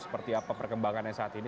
seperti apa perkembangannya saat ini